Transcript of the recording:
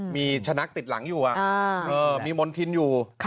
มีชนะติดหลังอยู่มีมณฑินอยู่